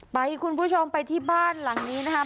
คุณผู้ชมไปที่บ้านหลังนี้นะครับ